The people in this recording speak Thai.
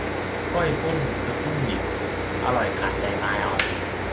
ก้อยกุ้ง คือกุ้งดิบ อร่อยขาดใจตายเอา